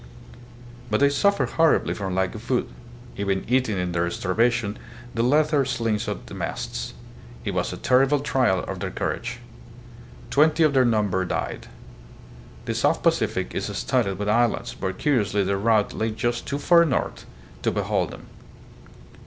But they suffered horribly from lack of food, even eating in their starvation the leather slings on the masts. It was a terrible trial of their courage. Twenty of their number died. The South Pacific is studded with islands, but curiously their route lay just too far north to behold them.